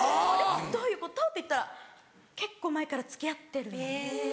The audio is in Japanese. どういうこと？って言ったら「結構前から付き合ってる」。